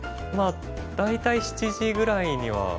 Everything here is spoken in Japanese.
まあ大体７時ぐらいには。